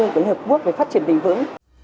với hợp quốc về phát triển bình vững